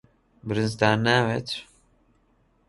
برنجتان ناوێت؟